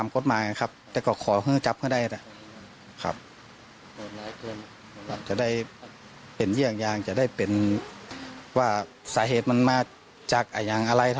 ขนาดนี้